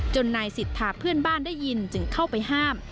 นายสิทธาเพื่อนบ้านได้ยินจึงเข้าไปห้าม